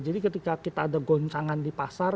jadi ketika kita ada goncangan di pasar